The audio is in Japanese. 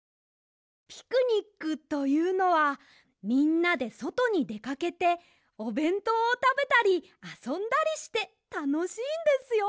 ピクニックというのはみんなでそとにでかけておべんとうをたべたりあそんだりしてたのしいんですよ！